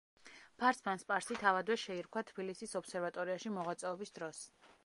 ფარსმან სპარსი თავადვე შეირქვა, ტფილისის ობსერვატორიაში მოღვაწეობის დროს.